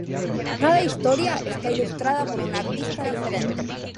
Cada historia está ilustrada por un artista diferente.